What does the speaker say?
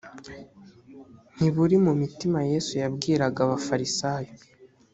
ntiburi mu mitima yesu yabwiraga abafarisayo